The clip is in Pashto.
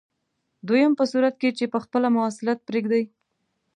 دویم په صورت کې چې په خپله مواصلت پرېږدئ.